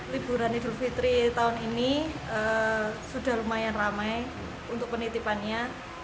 liburan idul fitri tahun ini sudah lumayan ramai untuk penitipannya